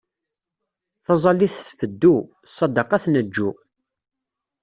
Taẓallit tfeddu, ssadaqa tneǧǧu.